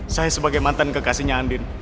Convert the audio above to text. saya sebagai mantan kekasihnya andin